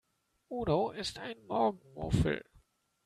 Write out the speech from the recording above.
Udo ist ein Morgenmuffel.